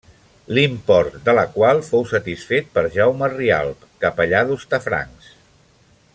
L'import de la qual fou satisfet per Jaume Rialp, capellà d'Hostafrancs.